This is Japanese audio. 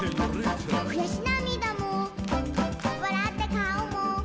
「くやしなみだもわらったかおも」